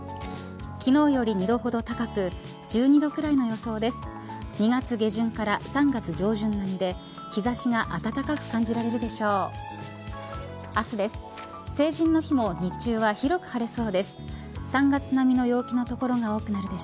昨日より２度ほど高く１２度くらいの予想です。